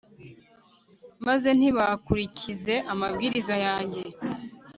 maze ntibakurikize amabwiriza yanjye